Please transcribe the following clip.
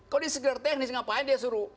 kalau dia sekedar teknis ngapain dia suruh